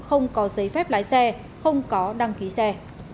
không có giấy phép lái xe không có đăng ký xe